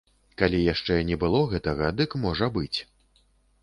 Калі яшчэ не было гэтага, дык можа быць!